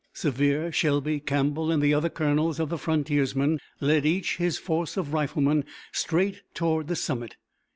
Sevier, Shelby, Campbell, and the other colonels of the frontiersmen, led each his force of riflemen straight toward the summit.